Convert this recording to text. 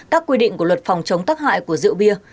các quy định của luật phòng chống tắc hại của rượu bia